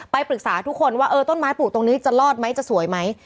ปรึกษาทุกคนว่าเออต้นไม้ปลูกตรงนี้จะรอดไหมจะสวยไหม